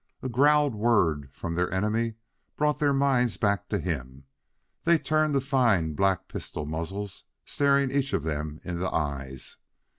A growled word from their enemy brought their minds back to him; they turned to find black pistol muzzles staring each of them in the eyes.